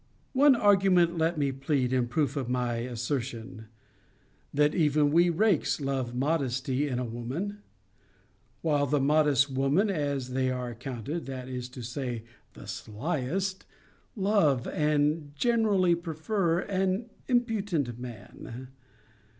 One argument let me plead in proof of my assertion; That even we rakes love modesty in a woman; while the modest woman, as they are accounted, (that is to say, the slyest,) love, and generally prefer, an impudent man.